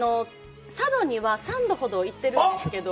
佐渡には、三度ほど行ってるんですけど。